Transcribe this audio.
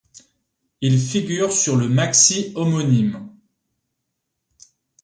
Il figure sur le maxi homonyme.